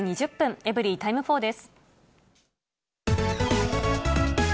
エブリィタイム４です。